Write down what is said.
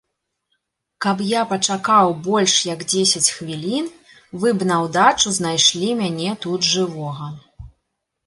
Каб я пачакаў больш як дзесяць хвілін, вы б наўдачу знайшлі мяне тут жывога.